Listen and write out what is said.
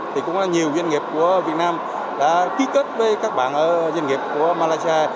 thì cũng là nhiều doanh nghiệp của việt nam đã ký kết với các bạn ở doanh nghiệp của malaysia